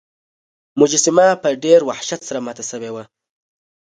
مجسمه په ډیر وحشت سره ماته شوې وه.